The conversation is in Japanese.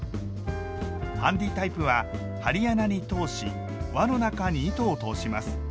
ハンディタイプは針穴に通し輪の中に糸を通します。